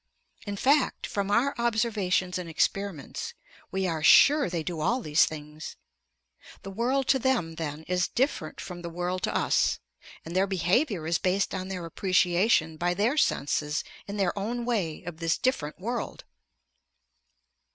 In fact, from our observations and experiments, we are sure they do all these things. The world to them, then, is different from the world to us. And their behavior is based on their appreciation by their senses in their own way of this different world.